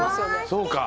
そうか。